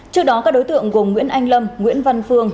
trước đó các đối tượng gồm nguyễn anh lâm nguyễn văn phương